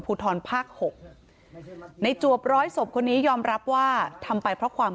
ทรภาค๖ในจวบร้อยศพคนนี้ยอมรับว่าทำไปเพราะความ